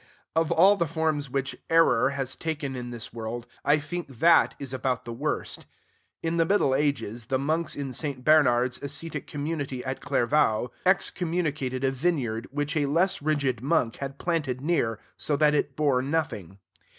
Of all the forms which "error" has taken in this world, I think that is about the worst. In the Middle Ages the monks in St. Bernard's ascetic community at Clairvaux excommunicated a vineyard which a less rigid monk had planted near, so that it bore nothing.